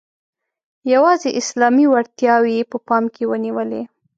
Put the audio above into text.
یوازي اسلامي وړتیاوې یې په پام کې ونیولې.